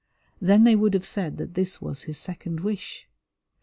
Then they would have said that this was his second wish.